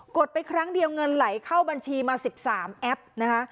ดไปครั้งเดียวเงินไหลเข้าบัญชีมา๑๓แอปนะคะ